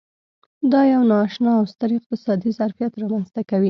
دا یو نا اشنا او ستر اقتصادي ظرفیت رامنځته کوي.